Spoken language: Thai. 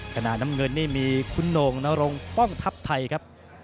น้ำเงินนี่มีคุณโหน่งนรงป้องทัพไทยครับ